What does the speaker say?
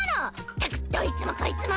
ったくどいつもこいつも！